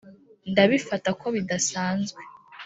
ndabifata ko bidasanzwe